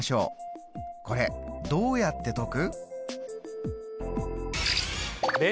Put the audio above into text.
これどうやって解く？